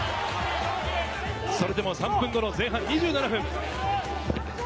それでも３分後の前半２７分。